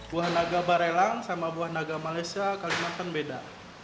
buah naga barelang sama buah naga malaysia kalimantan beda